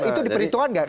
itu diperhitungkan nggak